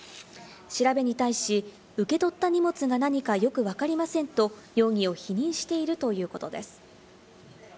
調べに対し、受け取った荷物が何かよくわかりませんと容疑を否認しているということです。